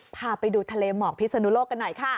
พาไปดูทะเลหมอกพิศนุโลกกันหน่อยค่ะ